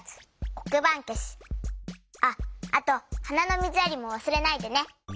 こくばんけしあっあとはなのみずやりもわすれないでね。